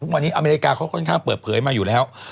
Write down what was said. วันนี้อเมริกาเขาค่อนข้างเปิดเผยมาอยู่แล้ว